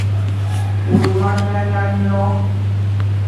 Woman nyanya nyon.